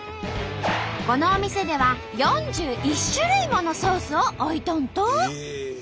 このお店では４１種類ものソースを置いとんと！